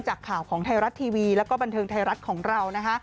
จากข่าวของไทยรัฐทีวีแล้วก็บันเทิงไทยรัฐของเรานะคะ